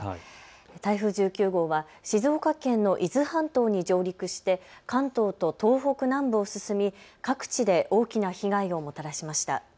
台風１９号は静岡県の伊豆半島に上陸して関東と東北南部を進み各地で大きな被害をもたらしました。